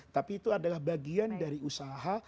tapi itu adalah bagian dari usaha